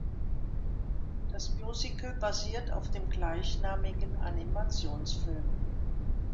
Das Musical basiert auf dem gleichnamigen Animationsfilm.